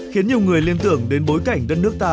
khiến nhiều người liên tưởng đến bối cảnh đất nước ta